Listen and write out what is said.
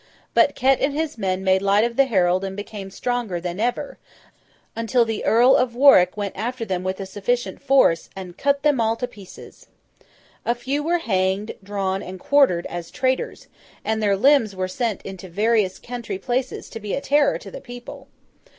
But, Ket and his men made light of the herald and became stronger than ever, until the Earl of Warwick went after them with a sufficient force, and cut them all to pieces. A few were hanged, drawn, and quartered, as traitors, and their limbs were sent into various country places to be a terror to the people.